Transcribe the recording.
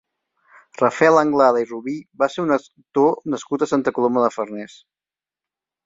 Rafael Anglada i Rubí va ser un actor nascut a Santa Coloma de Farners.